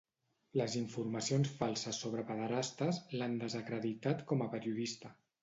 Les informacions falses sobre pederastes l'han desacreditat com a periodista.